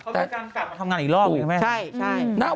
พอคุณกำลังกลับมาทำงานอีกรอบพี่แม่